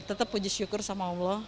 tetap puji syukur sama allah